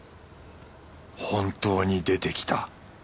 本当に出てきた。